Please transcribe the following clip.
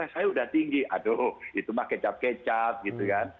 saya sudah tinggi aduh itu mah kecap kecap gitu kan